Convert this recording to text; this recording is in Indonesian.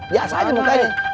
biasa aja buka aja